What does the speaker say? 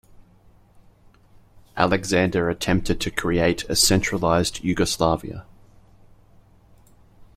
Alexander attempted to create a centralised Yugoslavia.